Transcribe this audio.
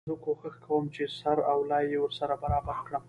زه کوښښ کوم چي سر او لای يې ورسره برابر کړم.